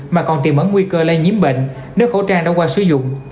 mà còn tìm ấn nguy cơ lây nhiễm bệnh nếu khẩu trang đã qua sử dụng